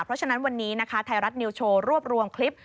เพราะฉะนั้นวันนี้นะคะไทยรัฐนิวโชว์รวบรวมคลิป